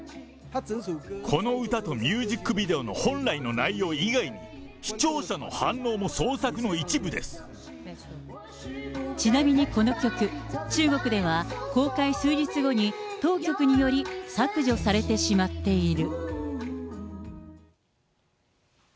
この歌とミュージックビデオの本来の内容以外に、ちなみにこの曲、中国では公開数日後に当局により削除されてしまっている。